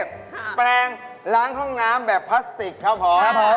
แตงล้างห้องน้ำแบบพลาสติกครับผม